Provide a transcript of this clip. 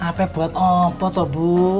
hp buat apa bu